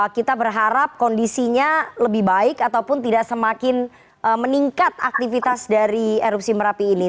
kita berharap kondisinya lebih baik ataupun tidak semakin meningkat aktivitas dari erupsi merapi ini